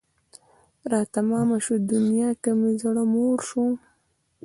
را تمامه شوه دنیا که مې زړه موړ شو